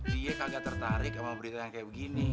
dia kagak tertarik sama berita yang kayak begini